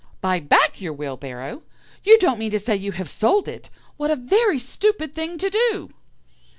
"'Buy back your wheelbarrow? You don't mean to say you have sold it? What a very stupid thing to do!